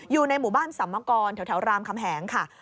อยู่ในหมู่บ้านสัมมกรแถวรามคำแหงค่ะ